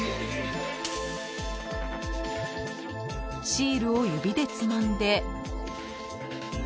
［シールを指でつまんで］